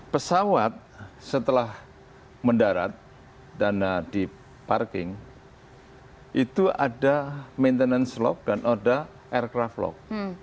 pesawat setelah mendarat dan di parking itu ada maintenance log dan ada aircraft log